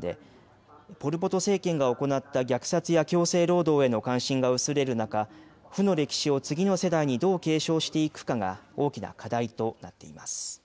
カンボジアは、人口の３分の２が３０歳未満でポル・ポト政権が行った虐殺や強制労働への関心が薄れる中負の歴史を次の世代にどう継承していくかが大きな課題となっています。